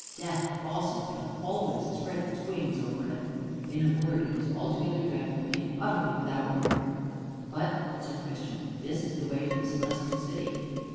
Death also doth always spread his wings over it. In a word, it is altogether dreadful, being utterly without order." "But," said Christian, "this is the way to the Celestial City."